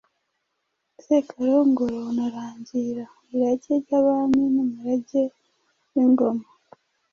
Sekarongoro na Rangira.Irage ry’abami n’umurage w’ingoma,